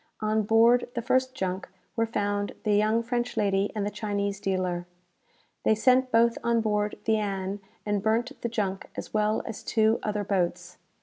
On board the first junk were found the young French lady and the Chinese dealer. "They sent both on board the 'Ann,' and burnt the junk as well as two other boats.